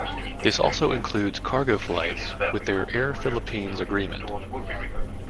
This also includes "Cargo flights" with their Air Philippines Agreement.